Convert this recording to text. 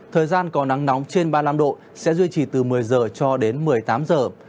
thời gian có nắng nóng trên ba mươi năm độ sẽ duy trì từ một mươi giờ cho đến một mươi tám giờ